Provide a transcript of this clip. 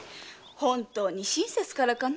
本当に親切からかなあ？